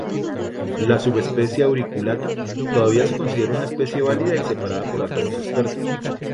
La subespecie "auriculata" todavía se considera una especie válida y separada por algunos expertos.